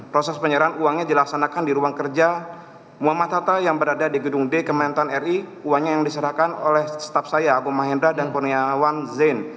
proses penyerahan uangnya dilaksanakan di ruang kerja muhammad hatta yang berada di gedung d kementerian ri uangnya yang diserahkan oleh staff saya agung mahendra dan kurniawan zain